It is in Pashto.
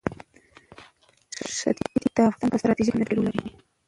ښتې د افغانستان په ستراتیژیک اهمیت کې رول لري.